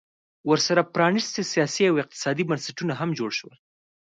ورسره پرانیستي سیاسي او اقتصادي بنسټونه هم جوړ شول